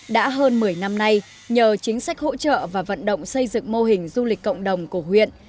đã hơn một mươi năm nay nhờ chính sách hỗ trợ và vận động xây dựng mô hình du lịch cộng đồng của huyện